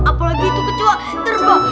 apalagi itu kecoa terbang